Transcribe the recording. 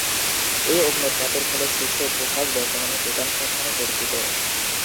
এই অগ্ন্যুৎপাতের ফলে সৃষ্ট ভূভাগ বর্তমানে ডেকান ট্র্যাপ নামে পরিচিত।